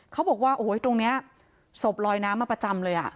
เขาบอกว่าโอ้โหตรงนี้ศพลอยน้ำมาประจำเลย